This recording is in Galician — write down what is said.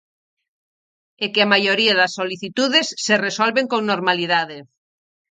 E que a maioría das solicitudes se resolven con normalidade.